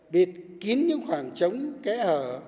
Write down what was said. bịt kín những khoảng trống kẽ hở